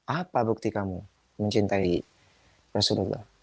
apa bukti kamu mencintai rasulullah